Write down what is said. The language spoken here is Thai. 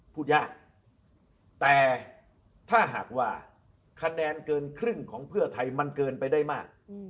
พูดยากแต่ถ้าหากว่าคะแนนเกินครึ่งของเพื่อไทยมันเกินไปได้มาก